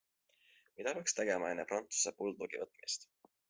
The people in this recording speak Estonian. Mida peaks teadma enne prantsuse buldogi võtmist?